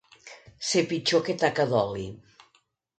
Ser pitjor que taca d'oli.